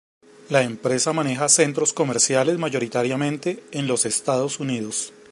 La empresa maneja centros comerciales mayoritariamente en los Estados Unidos.